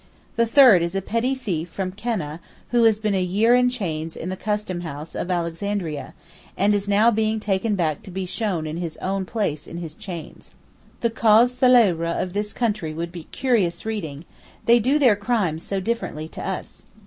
The third is a petty thief from Keneh who has been a year in chains in the Custom house of Alexandria, and is now being taken back to be shown in his own place in his chains. The causes célèbres of this country would be curious reading; they do their crimes so differently to us.